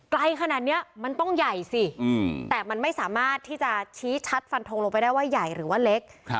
ไกลขนาดนี้มันต้องใหญ่สิแต่มันไม่สามารถที่จะชี้ชัดฟันทงลงไปได้ว่าใหญ่หรือว่าเล็ก